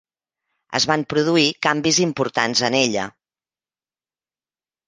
Es van produir canvis importants en ella.